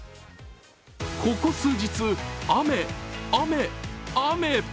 ここ数日、雨・雨・雨。